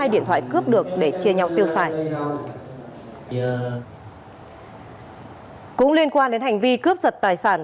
điện thoại cướp được để chia nhau tiêu xài cũng liên quan đến hành vi cướp giật tài sản